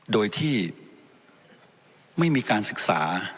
โดยที่ไม่มีการศึกษา